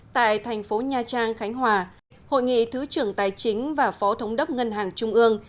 tại thành phố nha trang khánh hòa hội nghị thứ trưởng tài chính và phó thống đốc ngân hàng trung ương